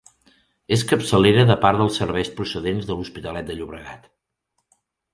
És capçalera de part dels serveis procedents de l'Hospitalet de Llobregat.